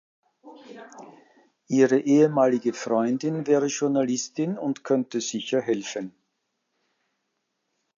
Ihre ehemalige Freundin wäre Journalistin und könnte sicher helfen.